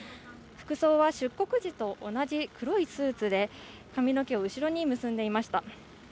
服装は出国時と同じ黒いスーツで髪の毛を後ろに結んでいました。